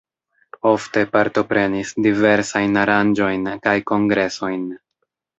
Ofte partoprenis diversajn aranĝojn kaj kongresojn.